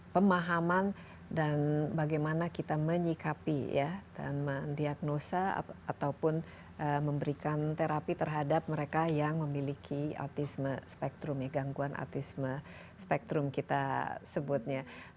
pemahaman dan bagaimana kita menyikapi ya dan mendiagnosa ataupun memberikan terapi terhadap mereka yang memiliki autisme spektrum ya gangguan autisme spektrum kita sebutnya